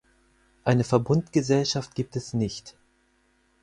Eine Verbundgesellschaft gibt es nicht.